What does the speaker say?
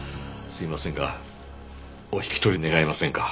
すいませんがお引き取り願えませんか。